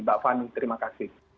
mbak fanny terima kasih